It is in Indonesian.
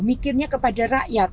mikirnya kepada rakyat